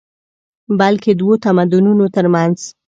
بلکې دوو تمدنونو تر منځ